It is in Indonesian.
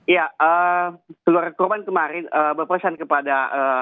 ya keluarga korban kemarin berpesan kepada